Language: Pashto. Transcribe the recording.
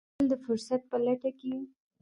دښمن تل د فرصت په لټه کې وي